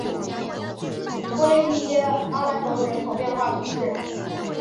莫内蒂耶阿莱蒙人口变化图示